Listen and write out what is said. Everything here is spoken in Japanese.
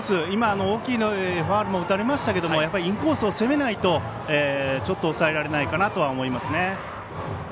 今、大きいファウルも打たれましたがインコースを攻めないと抑えられないかなと思いますね。